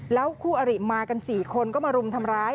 แล้วคู่อริมากัน๔คนก็มารุมทำร้าย